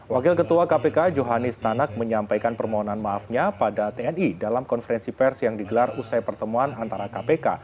wakil ketua kpk johanis tanak menyampaikan permohonan maafnya pada tni dalam konferensi pers yang digelar usai pertemuan antara kpk